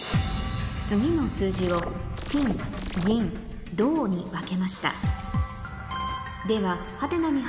次の数字を金・銀・銅に分けました